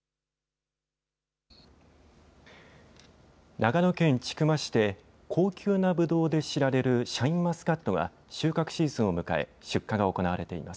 長野県千曲市で高級なぶどうで知られるシャインマスカットが収穫シーズンを迎え、出荷が行われています。